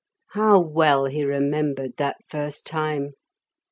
How well he remembered that first time!